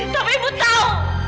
tapi ibu tahu